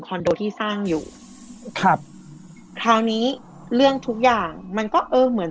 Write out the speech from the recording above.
โดที่สร้างอยู่ครับคราวนี้เรื่องทุกอย่างมันก็เออเหมือน